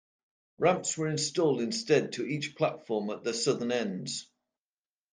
Ramps were installed instead to each platform at their southern ends.